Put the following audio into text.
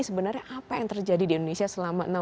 sebenarnya apa yang terjadi di indonesia selama